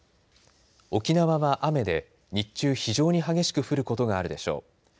沖縄は雨で非常に激しく降ることがあるでしょう。